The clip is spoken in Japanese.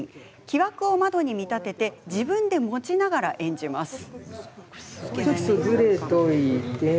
木枠を窓に見立てて自分で持ちながら演じます。